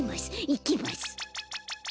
いきます。